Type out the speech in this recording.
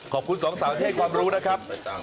ขอบคุณสองสาวที่เทพความรู้นะครับ